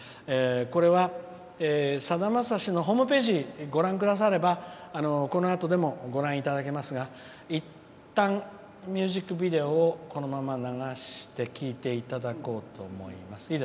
これは、さだまさしのホームページご覧くださればこのあとでもご覧いただけますがいったん、ミュージックビデオをこのまま流して聴いていただこうと思います。